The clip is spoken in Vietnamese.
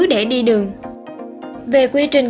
để đi đường về quy trình